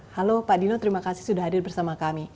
halo pak dino terima kasih sudah hadir bersama kami